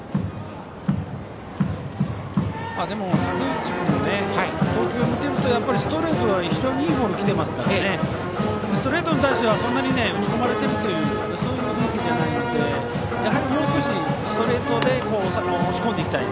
でも武内君も投球を見ているとストレートが非常にいいボールがきていますからストレートに対してはそんなに打ち込まれているという雰囲気ではないのでもう少しストレートで押し込んでいきたい